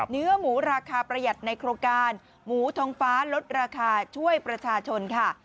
เนื้อหมูราคาประหยัดในโครงการหมูทองฟ้าลดราคาช่วยประชาชนค่ะ